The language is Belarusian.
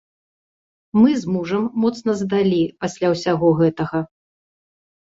Мы з мужам моцна здалі пасля ўсяго гэтага.